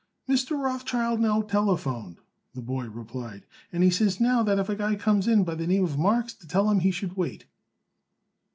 "Mr. Rothschild, now, telephoned," the boy replied, "and he says, now, that if a guy comes in by the name of Marks to tell him he should wait."